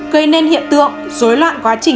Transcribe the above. gây nên hiện tượng rối loạn quá chừng